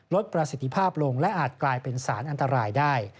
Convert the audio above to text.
ประสิทธิภาพลงและอาจกลายเป็นสารอันตรายได้